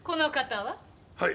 はい。